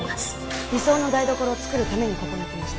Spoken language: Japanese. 「理想の台所を作るためにここに来ました」